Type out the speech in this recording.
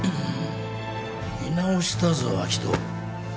見直したぞ明人。